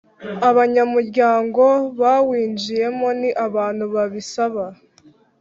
Abanyamuryango Bawinjiyemo ni abantu babisaba